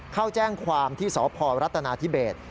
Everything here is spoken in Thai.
เข้าแจ้งความที่สพรัฐนาธิเบศ